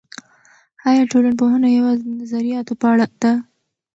ایا ټولنپوهنه یوازې د نظریاتو په اړه ده؟